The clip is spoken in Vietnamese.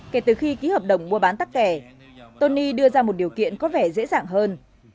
kể từ khi ký hợp đồng mua bán tắc kẻ tony đưa ra một điều kiện có vẻ dễ dàng hơn